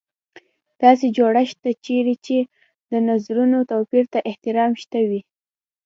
داسې جوړښت ته چېرې چې د نظرونو توپیر ته احترام شته وي.